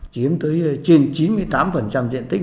chiếm tới trên chín mươi tám diện tích